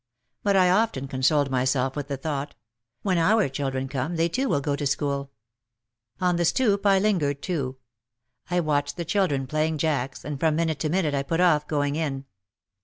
But I often consoled myself with the thought, "When our children come they too will go to school." On the stoop I lingered too. I watched the children playing jacks and from minute to minute I put off going in.